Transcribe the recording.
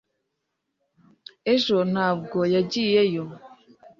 ejo ntabwo yagiyeyo